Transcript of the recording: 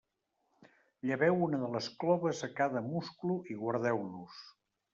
Lleveu una de les cloves a cada musclo i guardeu-los.